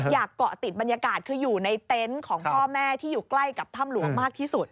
เกาะติดบรรยากาศคืออยู่ในเต็นต์ของพ่อแม่ที่อยู่ใกล้กับถ้ำหลวงมากที่สุด